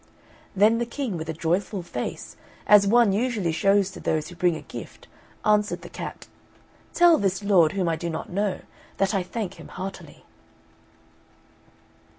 '" Then the King, with a joyful face, as one usually shows to those who bring a gift, answered the cat, "Tell this lord, whom I do not know, that I thank him heartily."